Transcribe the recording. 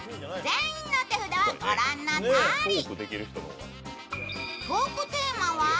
全員の手札は御覧のとおり。